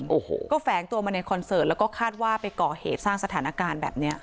โอ้โหก็แฝงตัวมาในคอนเสิร์ตแล้วก็คาดว่าไปก่อเหตุสร้างสถานการณ์แบบเนี้ย